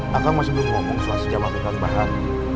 pak kang masih belum ngomong soal sejam aku kang bahar